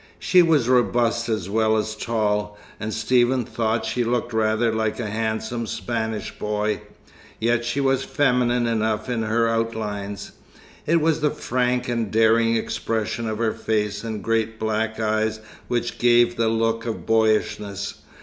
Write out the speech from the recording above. She was robust as well as tall, and Stephen thought she looked rather like a handsome Spanish boy; yet she was feminine enough in her outlines. It was the frank and daring expression of her face and great black eyes which gave the look of boyishness.